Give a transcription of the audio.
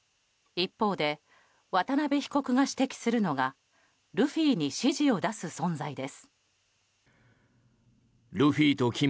一方で渡邉被告が指摘するのがルフィに指示を出す存在です。